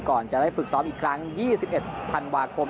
ก่อนจะได้ฝึกซ้อมอีกครั้ง๒๑ธันวาคม